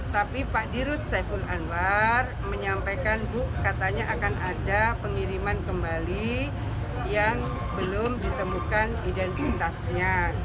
tapi pak dirut saiful anwar menyampaikan bu katanya akan ada pengiriman kembali yang belum ditemukan identitasnya